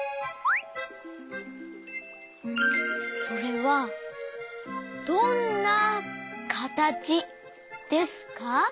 それはどんなかたちですか？